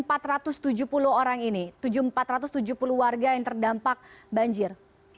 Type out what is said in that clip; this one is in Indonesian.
apa orang ini tujuh ratus empat puluh warga yang terdampak banjir